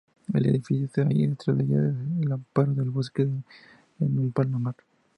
La edificación que hay detrás de ella, al amparo del bosque, es un palomar.